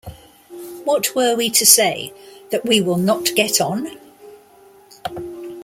What were we to say, that we will not get on?